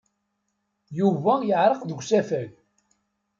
Yuba yeɛreq deg usafag.